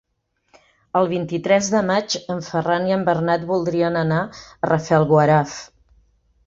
El vint-i-tres de maig en Ferran i en Bernat voldrien anar a Rafelguaraf.